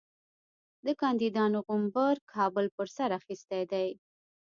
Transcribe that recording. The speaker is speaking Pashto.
د کاندیدانو غومبر کابل پر سر اخیستی دی.